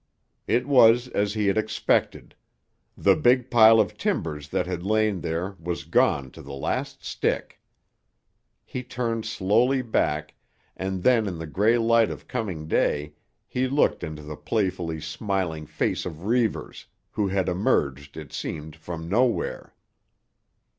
It was as he had expected; the big pile of timbers that had lain there was gone to the last stick. He turned slowly back, and then in the grey light of coming day he looked into the playfully smiling face of Reivers, who had emerged, it seemed, from nowhere.